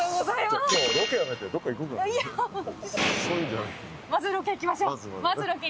まずはロケに行きましょう。